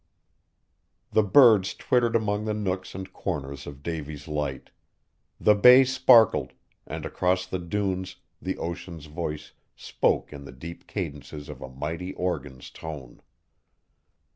The birds twittered among the nooks and corners of Davy's Light. The bay sparkled, and across the dunes the ocean's voice spoke in the deep cadences of a mighty organ's tone.